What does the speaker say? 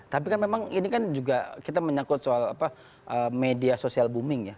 tapi kan memang ini kan juga kita menyakut soal media sosial booming ya